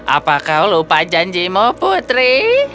apa kau lupa janjimu putri